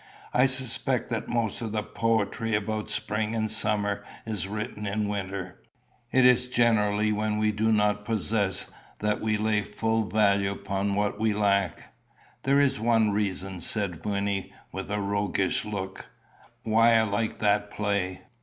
I suspect that most of the poetry about spring and summer is written in the winter. It is generally when we do not possess that we lay full value upon what we lack." "There is one reason," said Wynnie with a roguish look, "why I like that play."